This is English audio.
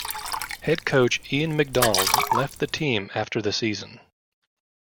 Head coach Ian MacDonald left the team after the season.